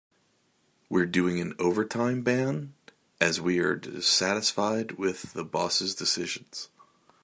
We are doing an overtime ban as we are dissatisfied with the boss' decisions.